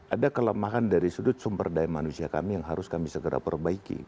ada kelemahan dari sudut sumber daya manusia kami yang harus kami segera perbaiki